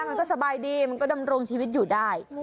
มันก็สบายดีมันก็ดำรงชีวิตอยู่ได้